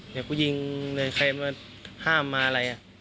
เดี๋ยวกูยิงเนื้อแครมห้ามมาอะไร